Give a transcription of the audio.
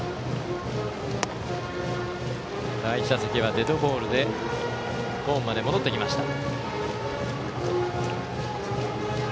第１打席はデッドボールでホームまで戻ってきました。